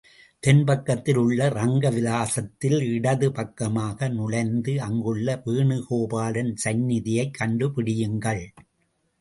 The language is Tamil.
தென் பக்கத்தில் உள்ள ரங்க விலாசத்தில் இடது பக்கமாக நுழைந்து அங்குள்ள வேனுகோபாலன் சந்நிதியைக் கண்டுபிடியுங்கள்.